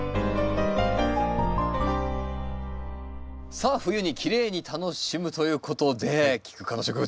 さあ冬にきれいに楽しむということでキク科の植物